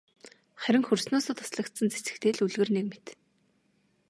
Харин хөрснөөсөө таслагдсан цэцэгтэй л үлгэр нэг мэт.